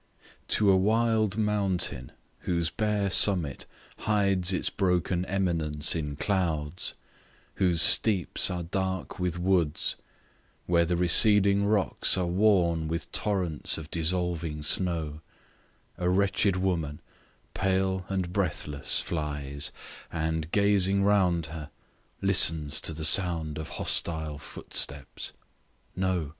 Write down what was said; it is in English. TO a wild mountain, whose bare summit hides Its broken eminence in clouds; whose steeps Page 73 Are dark with woods: where the receding rocks Are worn with torrents of dissolving snow; A wretched woman, pale and breathless, flies, And, gazing round her, listens to the sound Of hostile footsteps: No!